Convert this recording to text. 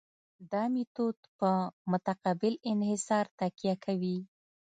دا میتود په متقابل انحصار تکیه کوي